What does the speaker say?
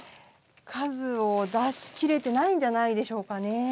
数を出しきれてないんじゃないでしょうかねえ。